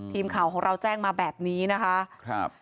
ทีมข่าวของเราแจ้งมาแบบนี้นะคะครับ